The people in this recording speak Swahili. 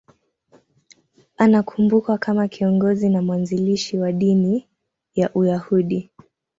Anakumbukwa kama kiongozi na mwanzilishi wa dini ya Uyahudi.